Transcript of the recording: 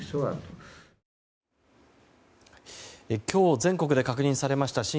今日全国で確認されました